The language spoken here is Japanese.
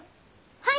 はい！